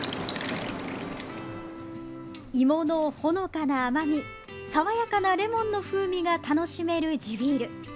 芋のほのかな甘み爽やかなレモンの風味が楽しめる地ビール。